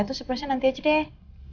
itu surprise nya nanti aja deh